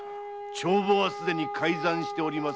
帳簿はすでに改ざんしております